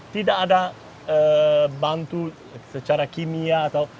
tidak ada bantu secara kimia atau